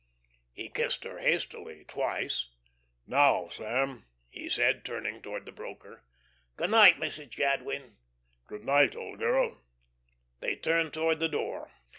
He kissed her hastily twice. "Now, Sam," he said, turning toward the broker. "Good night, Mrs. Jadwin." "Good by, old girl." They turned toward the door.